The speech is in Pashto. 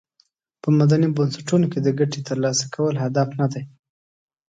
په مدني بنسټونو کې د ګټې تر لاسه کول هدف ندی.